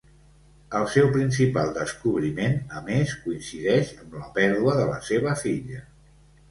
El seu principal descobriment, a més, coincideix amb la pèrdua de la seva filla.